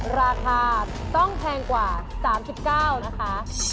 ราคาต้องแพงกว่า๓๙นะคะ